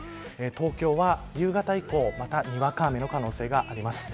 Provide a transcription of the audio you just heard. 東京は夕方以降またにわか雨の可能性があります。